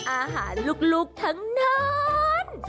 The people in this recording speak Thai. อาหารลูกทั้งนั้น